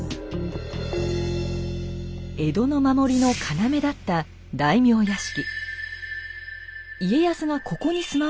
江戸の守りの要だった大名屋敷。